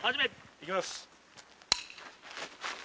いきます。